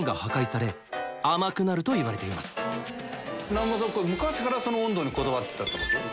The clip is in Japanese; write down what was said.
難波さんは昔から温度にこだわってたってこと？